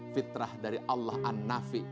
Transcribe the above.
fitrah dari allah an nafi